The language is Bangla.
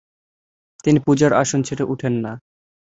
তিনি পূজার আসন ছেড়ে ওঠেন না।